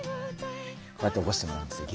こうやって起こしてもらうんですよ